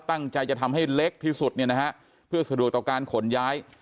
ตั้งใจจะทำให้เล็กที่สุดเนี่ยนะฮะเพื่อสะดวกต่อการขนย้าย